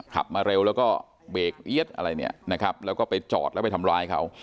ขับมาเร็วแล้วก็เบรกเอี๊ยดอะไรเนี่ยนะครับแล้วก็ไปจอดแล้วไปทำร้ายเขา